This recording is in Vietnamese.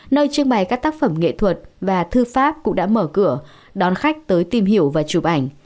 nơi trưng bày các tác phẩm nghệ thuật và thư pháp cũng đã mở cửa đón khách tới tìm hiểu và chụp ảnh